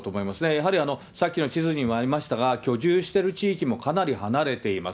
やはり、さっきの地図にもありましたが、居住してる地域もかなり離れています。